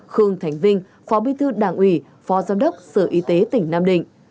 khương thánh vinh phó bí thư đảng ủy phó giám đốc sở y tế tỉnh nam định